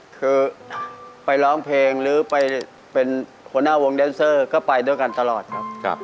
คือไปร้องเพลงหรือไปเป็นหัวหน้าวงแดนเซอร์ก็ไปด้วยกันตลอดครับ